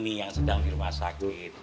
ini yang sedang di rumah sakit